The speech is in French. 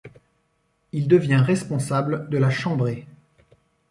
Il devient responsable de la chambrée.